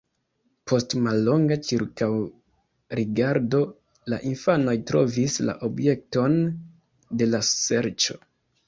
Post mallonga ĉirkaŭrigardo la infanoj trovis la objekton de la serĉo.